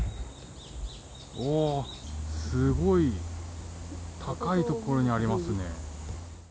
おー、すごい高い所にありますね。